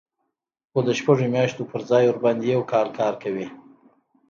خو د شپږو میاشتو پر ځای ورباندې یو کال کار کوي